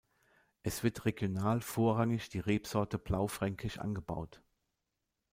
Es wird regional vorrangig die Rebsorte Blaufränkisch angebaut.